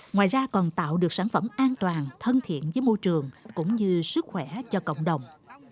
ngoài ra còn tạo được sản phẩm an toàn thân thiện với môi trường cũng như sức khỏe cho cộng đồng